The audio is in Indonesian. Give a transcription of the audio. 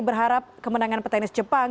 berharap kemenangan petenis jepang